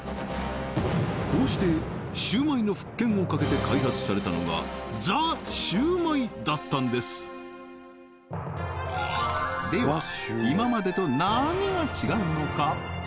こうしてシュウマイの復権をかけて開発されたのがザ★シュウマイだったんですでは今までと何が違うのか？